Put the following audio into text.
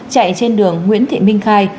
chạy trên đường nguyễn thị minh khai